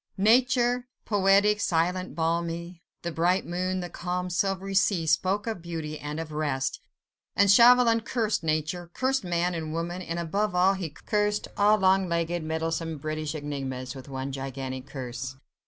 Nature, poetic, silent, balmy, the bright moon, the calm, silvery sea spoke of beauty and of rest, and Chauvelin cursed nature, cursed man and woman, and, above all, he cursed all long legged, meddlesome British enigmas with one gigantic curse.